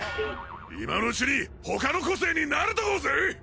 今のうちに他の個性に慣れとこうぜェ！